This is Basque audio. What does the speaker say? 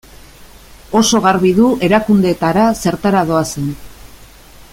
Oso garbi du erakundeetara zertara doazen.